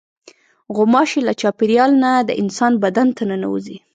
غوماشې له چاپېریاله نه د انسان بدن ته ننوځي.